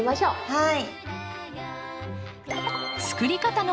はい。